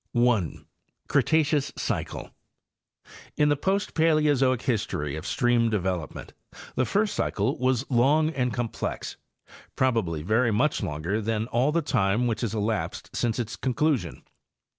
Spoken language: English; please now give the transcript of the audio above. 1.—CRETACEOUS CYCLE. In the post Paleozoic history of stream development the first cycle was long and complex—probably very much longer than all the time which has elapsed since its conclusion.